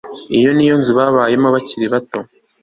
iyi ni yo nzu babayemo bakiri bato